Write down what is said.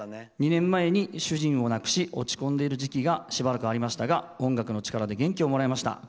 ２年前に主人を亡くし落ち込んでいる時期がしばらくありましたが音楽の力で元気をもらえました。